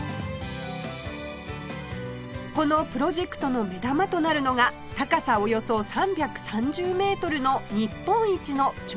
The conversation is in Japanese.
このプロジェクトの目玉となるのが高さおよそ３３０メートルの日本一の超高層ビル